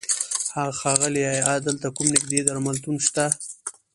ښاغيله! ايا دلته کوم نيږدې درملتون شته؟